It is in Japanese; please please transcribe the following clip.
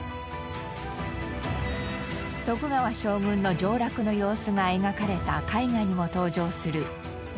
徳川将軍の上洛の様子が描かれた絵画にも登場する